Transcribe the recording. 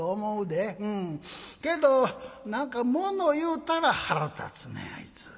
けど何かもの言うたら腹立つねんあいつ。